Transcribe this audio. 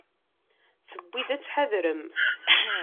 Tewwi-d ad tḥadrem.